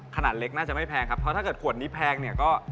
ขนาดเล็กน่าจะไม่แพงครับเพราะถ้าเกิดขวดนี้แพงเนี่ยก็